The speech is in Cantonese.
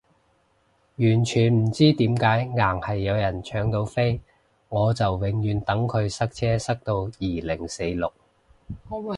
完全唔知點解硬係有人搶到飛，我就永遠等佢塞車塞到二零四六